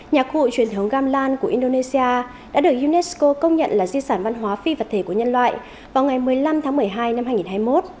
nhạc cụ truyền thống gamlan của indonesia đã được unesco công nhận là di sản văn hóa phi vật thể của nhân loại vào ngày một mươi năm tháng một mươi hai năm hai nghìn hai mươi một